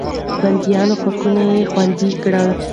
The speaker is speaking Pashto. د بنديانو حقونه يې خوندي کړل.